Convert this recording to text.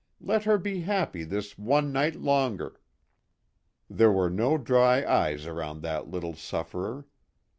Let her be happy this one night longer." There were no dry eyes around that little sufferer.